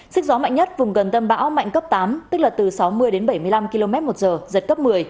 sức gió mạnh nhất vùng gần tâm bão mạnh cấp tám tức là từ sáu mươi đến bảy mươi năm km một giờ giật cấp một mươi